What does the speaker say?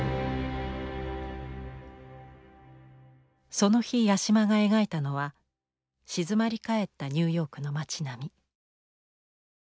その日八島が描いたのは静まり返ったニューヨークの町並み。